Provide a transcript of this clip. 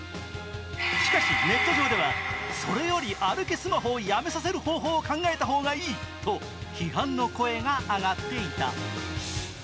しかし、ネット上ではそれより歩きスマホをやめさせる方法を考えたほうがいいと批判の声が上がっていた。